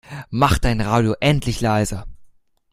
Mach dein Radio endlich leiser!